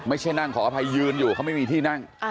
ไม่ใช่นั่งขออภัยยืนอยู่เขาไม่มีที่นั่ง